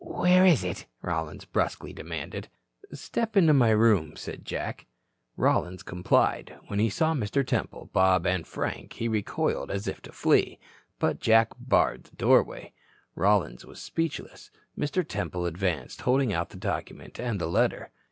"Where is it?" Rollins brusquely demanded. "Step into my room," said Jack. Rollins complied. When he saw Mr. Temple, Bob and Frank, he recoiled as if to flee. But Jack barred the doorway. Rollins was speechless. Mr. Temple advanced, holding out the document and the letter.